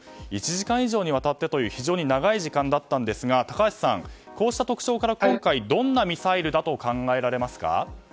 １時間以上にわたってという非常に長い時間でしたが高橋さん、こうした特徴から今回どんなミサイルだと考えられますか？